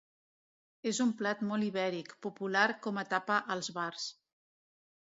És un plat molt ibèric, popular com a tapa als bars.